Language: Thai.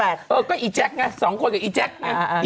เออก็อีแจ๊คไงสองคนกับอีแจ๊คไง